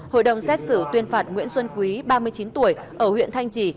hội đồng xét xử tuyên phạt nguyễn xuân quý ba mươi chín tuổi ở huyện thanh trì